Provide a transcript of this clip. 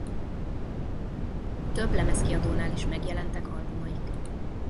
Több lemezkiadónál is megjelentek albumaik.